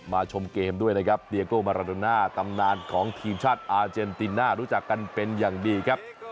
ชมเกมด้วยนะครับเดียโกมาราโดน่าตำนานของทีมชาติอาเจนติน่ารู้จักกันเป็นอย่างดีครับ